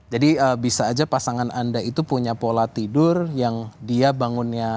jadi bisa aja pasangan anda itu punya pola tidur yang dia bangunnya